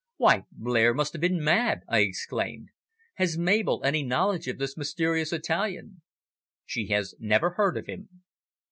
"Why, Blair must have been mad!" I exclaimed. "Has Mabel any knowledge of this mysterious Italian?" "She has never heard of him."